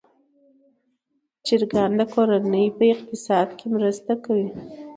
چرګان د کورنۍ اقتصاد کې مرسته کوي.